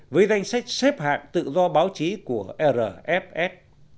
với danh sách xếp hạng tự do báo chí của rf